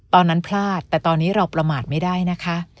ตอนนั้นพลาดแต่ตอนนี้เราประมาทไม่ได้นะคะ